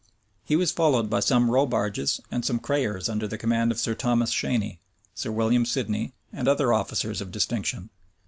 He was followed by some row barges and some crayers under the command of Sir Thomas Cheyney, Sir William Sidney, and other officers of distinction.